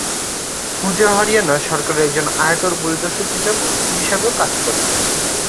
পূজা হরিয়ানা সরকারের একজন আয়কর পরিদর্শক হিসাবেও কাজ করেন।